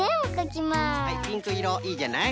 はいピンクいろいいじゃない。